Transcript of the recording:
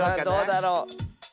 どうだろう。